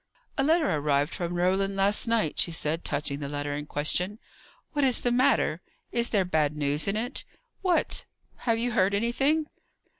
"A letter arrived from Roland last night," she said, touching the letter in question. "What is the matter? Is there bad news in it? What! have you heard anything?"